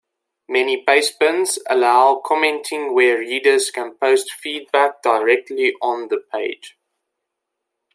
Many pastebins allow commenting where readers can post feedback directly on the page.